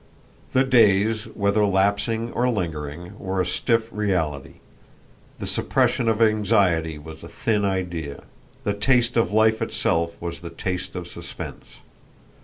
The days, whether lapsing or lingering, were a stiff reality; the suppression of anxiety was a thin idea; the taste of life itself was the taste of suspense.